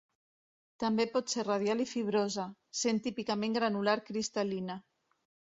També pot ser radial i fibrosa, sent típicament granular cristal·lina.